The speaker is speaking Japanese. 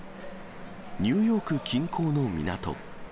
ニューヨーク近郊の港。